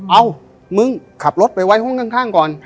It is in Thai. เอามึงขับรถไปไว้ห้องข้างก่อน